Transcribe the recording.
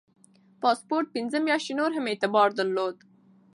پاسپورت پنځه میاشتې نور هم اعتبار درلود.